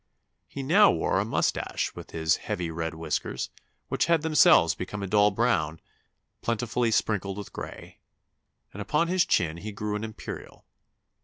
He now wore a moustache with his 'heavy red whiskers,' which had themselves become a dull brown, plentifully sprinkled with gray; and upon his chin he grew an imperial.